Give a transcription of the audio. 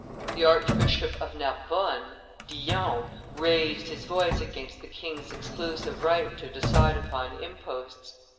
The Archbishop of Narbonne (Dillon) raised his voice against the king's exclusive right to decide upon imposts.